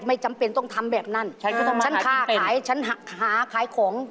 จำเป็นต้องทำแบบนั้นฉันค่าขายฉันหาขายของ